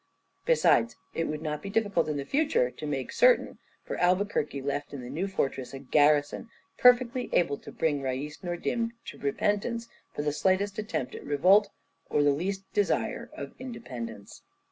Besides, it would not be difficult in the future to make this certain, for Albuquerque left in the new fortress a garrison perfectly able to bring Rais Nordim to repentance for the slightest attempt at revolt, or the least desire of independence.